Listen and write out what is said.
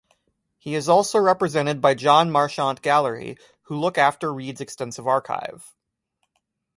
He is also represented by John Marchant Gallery who look after Reid's extensive archive.